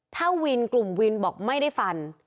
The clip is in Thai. ถ้าวินกลุ่มวินบอกไม่ได้ฟัน